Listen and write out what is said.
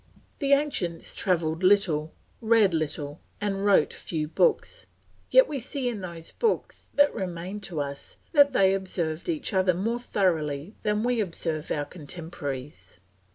The ancients travelled little, read little, and wrote few books; yet we see in those books that remain to us, that they observed each other more thoroughly than we observe our contemporaries.